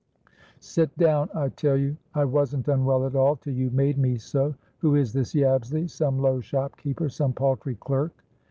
"Sit down, I tell you! I wasn't unwell at all, till you made me so. Who is this Yabsley? Some low shopkeeper? Some paltry clerk?"